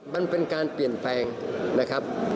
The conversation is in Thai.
มันเป็นการเปลี่ยนแปลงนะครับ